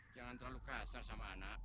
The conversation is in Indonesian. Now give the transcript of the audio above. jangan terlalu kasar sama anak